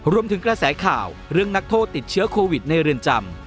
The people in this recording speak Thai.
รวมถึงกระแสข่าวเรื่องนักโทษติดเชื้อโควิดในเรือนจำ